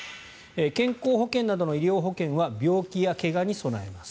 健康保険などの医療保険は病気や怪我に備えます。